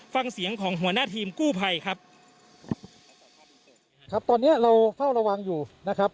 ฟังเสียงของหัวหน้าทีมกู้ภัยครับครับตอนเนี้ยเราเฝ้าระวังอยู่นะครับ